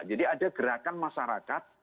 jadi ada gerakan masyarakat